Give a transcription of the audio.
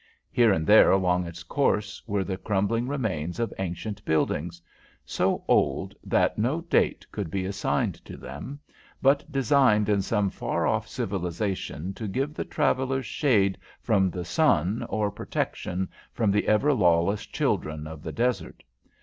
Here and there along its course were the crumbling remains of ancient buildings, so old that no date could be assigned to them, but designed in some far off civilisation to give the travellers shade from the sun or protection from the ever lawless children of the desert.